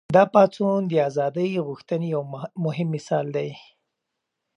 دا پاڅون د ازادۍ غوښتنې یو مهم مثال دی.